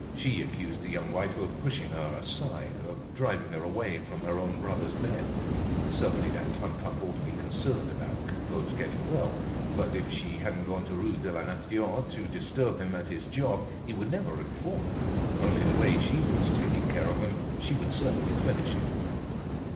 She accused the young wife of pushing her aside, of driving her away from her own brother's bed. Certainly that Clump clump ought to be concerned about Coupeau's getting well, for if she hadn't gone to Rue de la Nation to disturb him at his job, he would never had fallen. Only, the way she was taking care of him, she would certainly finish him.